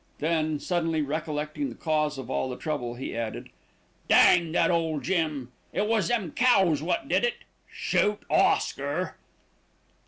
Then, suddenly recollecting the cause of all the trouble, he added, "Dang that old Jim! It was them cows what did it. Shoot Oscar!"